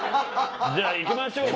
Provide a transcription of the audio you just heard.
じゃあ行きましょうか。